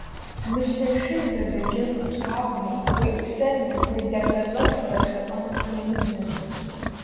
Мыщэ шыр зэдэджэгуу плъагъумэ, уеӀусэну, уедэхащӀэу зэпшэлӀэну ухуемыжьэ.